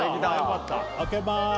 開けまーす